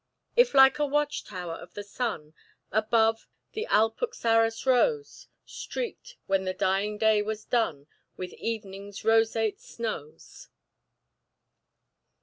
If like a watch tower of the sun Above, the Alpuxarras rose, Streaked, when the dying day was done, With evening's roseate snows."